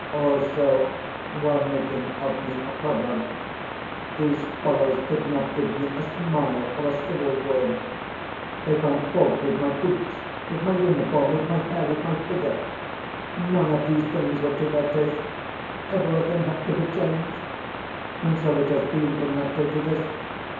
Also, while making of me a proverb, these fellows could not give me a smile or a civil word. They found fault with my boots, with my uniform, with my hair, with my figure. None of these things were to their taste: everything had to be changed. And so it has been from that day to this.